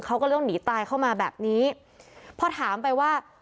ก็ต้องหนีตายเข้ามาแบบนี้พอถามไปว่า